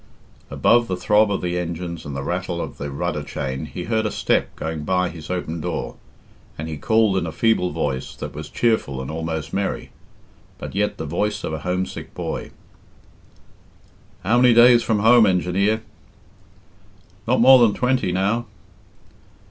Above the throb of the engines and the rattle of the rudder chain he heard a step going by his open door, and he called in a feeble voice that was cheerful and almost merry, but yet the voice of a homesick boy "How many days from home, engineer?" "Not more than twenty now."